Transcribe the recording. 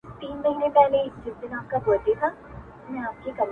o مريـــد يــې مـړ هـمېـش يـې پيـر ويده دی ـ